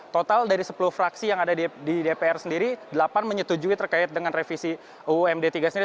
total dari sepuluh fraksi yang ada di dpr sendiri delapan menyetujui terkait dengan revisi uumd tiga sendiri